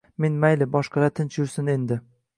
Men — mayli, boshqalar tinch yursin endi